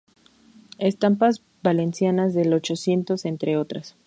Estampas valencianas del Ochocientos", entre otras.